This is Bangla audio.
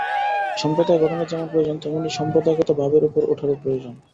সম্প্রদায় গঠনের যেমন প্রয়োজন, তেমনি সম্প্রদায়গত ভাবের উপরে উঠারও প্রয়োজন।